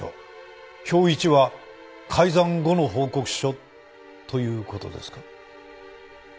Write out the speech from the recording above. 表１は改ざん後の報告書という事ですか？